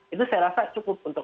itu saya rasa cukup untuk